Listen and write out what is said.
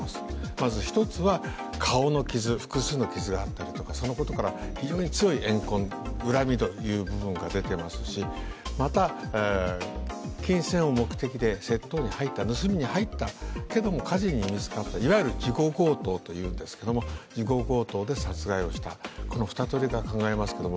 まず１つは、顔に複数の傷があったことから非常に強い怨恨、恨みという部分が出ていますし、また、金銭の目的で窃盗に入った、盗みに入り、いわゆる事後強盗というんですけど、事後強盗で殺害をした、この２通りが考えられますけど